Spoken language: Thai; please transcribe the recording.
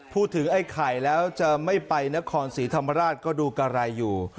พูดถึงไอ้ไข่แล้วจะไม่ไปนครศรีธรรมราชก็ดูการร่ายอยู่